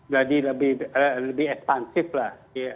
jadi lebih ekspansif lah